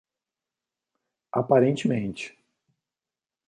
Aparentemente